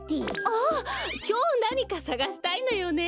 あっきょうなにかさがしたいのよね。